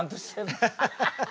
ハハハハ！